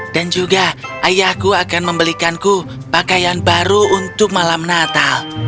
juga ayahku akan membelikanku pakaian baru untuk malam natal